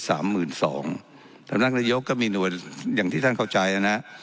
สำนักนายกก็มีหน่วยอย่างที่ท่านเข้าใจนะ